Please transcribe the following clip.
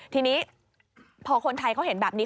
ทีนี้พอคนไทยเขาเห็นแบบนี้